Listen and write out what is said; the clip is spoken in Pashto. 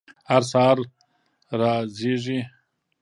هر سهار را زیږي